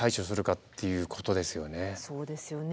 そうですよね。